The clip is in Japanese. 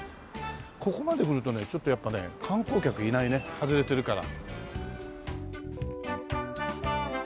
ここまで来るとねちょっとやっぱね観光客いないね外れてるから。